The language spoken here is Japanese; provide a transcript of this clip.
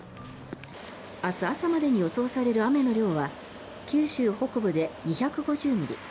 明日朝までに予想される雨の量は九州北部で２５０ミリ